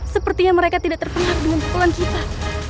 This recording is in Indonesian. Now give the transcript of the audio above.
sepertinya mereka tidak terpengaruh dengan pukulan kita